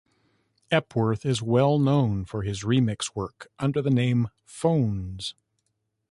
Epworth is well known for his remix work under the name "Phones".